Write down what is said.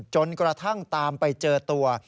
จนกระทั่งตามไปเจอตัว